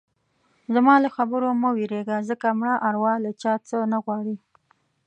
زما له خبرو نه مه وېرېږه ځکه مړه اروا له چا څه نه غواړي.